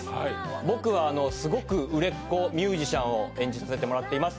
僕はすごく売れっ子ミュージシャンを演じさせていただいています。